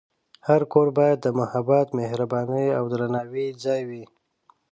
هر کور باید د محبت، مهربانۍ، او درناوي ځای وي.